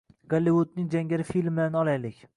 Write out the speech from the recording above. Gollivudning jangari filmlarini olaylik